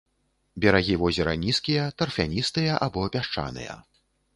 Берагі возера нізкія, тарфяністыя або пясчаныя.